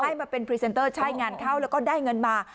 ให้มาเป็นพรีเซนเตอร์ใช่งานเข้าแล้วก็ได้เงินมา